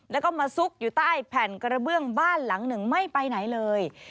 แล้วก็มาซุกอยู่ใต้แผ่นกระเบื้องบ้านหลังหนึ่งไม่ไปไหนเลย